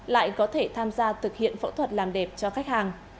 lại có thể tham gia thực hiện phẫu thuật làm đẹp cho khách hàng